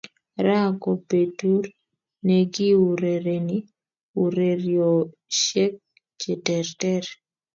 ra ko petur nekiurereni ureriosiek cheterter